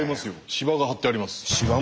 芝がはってあります。